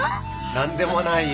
何でもないよ。